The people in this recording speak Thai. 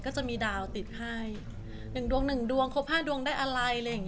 ก็จะมีดาวติดให้๑ดวง๑ดวงครบ๕ดวงได้อะไร